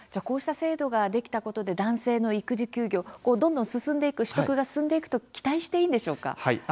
こうした制度ができたことで男性の育児休業どんどん取得が進んでいくと期待していいのでしょうか？